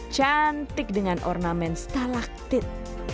cantik dengan ornamen stalaktit